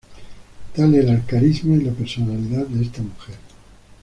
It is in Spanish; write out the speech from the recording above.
Tal era el carisma y la personalidad de esta mujer.